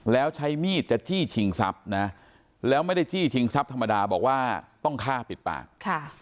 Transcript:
แล้วใช้มีดจะจี้ชิงทรัพย์นะแล้วไม่ได้จี้ชิงทรัพย์ธรรมดาบอกว่าต้องฆ่าปิดปากค่ะ